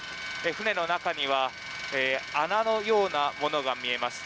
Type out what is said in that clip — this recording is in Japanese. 船の中には穴のようなものが見えます。